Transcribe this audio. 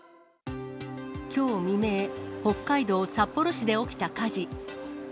きょう未明、北海道札幌市で起きた火事。